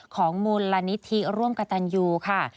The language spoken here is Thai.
ของมูลนิธิร่วมกระตันยูค่ะ